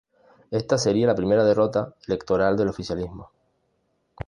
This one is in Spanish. Esta sería la primera derrota electoral del oficialismo.